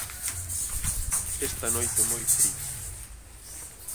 Esta noite moi fría.